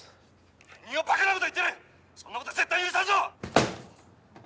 何をバカなこと言ってるそんなこと絶対許さんぞ！